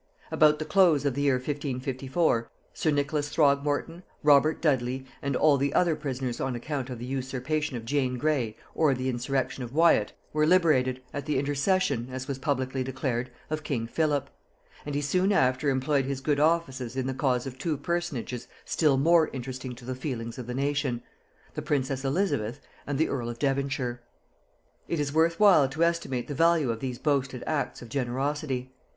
About the close of the year 1554, sir Nicholas Throgmorton, Robert Dudley, and all the other prisoners on account of the usurpation of Jane Grey or the insurrection of Wyat, were liberated, at the intercession, as was publicly declared, of king Philip; and he soon after employed his good offices in the cause of two personages still more interesting to the feelings of the nation, the princess Elizabeth and the earl of Devonshire. It is worth while to estimate the value of these boasted acts of generosity.